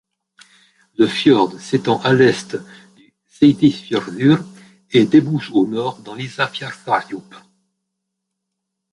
Le fjord s'étend à l'est du Seyðisfjörður et débouche au nord dans l'Ísafjarðardjúp.